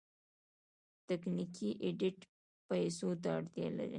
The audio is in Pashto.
تخنیکي ایډېټ پیسو ته اړتیا لرله.